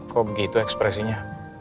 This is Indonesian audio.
kok begitu ekspresinya